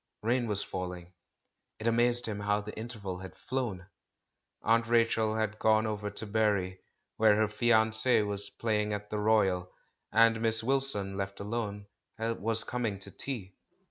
Rain was falling. It amazed him how the interval had flown. "Aunt Rachel" had gone over to Bury, where her fiance was playing at the Royal, and Miss Wil son, left alone, was coming in to tea.